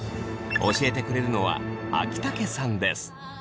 教えてくれるのは秋竹さんです。